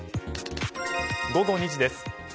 午後２時です。